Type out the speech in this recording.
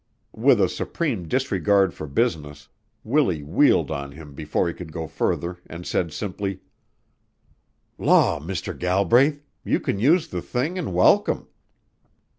With a supreme disregard for business, Willie wheeled on him before he could go further and said simply: "Law, Mr. Galbraith, you can use the thing an' welcome.